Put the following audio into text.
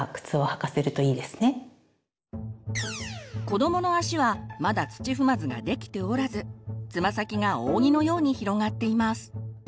子どもの足はまだ土踏まずができておらずつま先が扇のように広がっています。